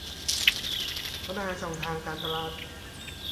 พัฒนาช่องทางการตลาด